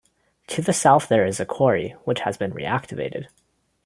To the south there is a quarry, which has been reactivated.